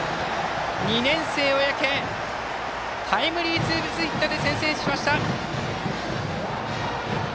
２年生、小宅タイムリーツーベースヒットで先制しました。